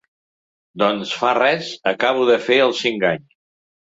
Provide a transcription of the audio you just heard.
Doncs fa res acabo de fer els cinc anys.